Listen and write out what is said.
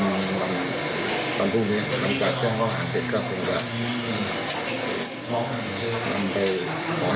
ตอนพรุ่งนี้นำจากแจ้งเขาหาเสร็จก็เป็นแบบนำไปขอให้สามารถให้กัน